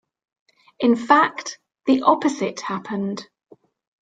In fact, the opposite happened.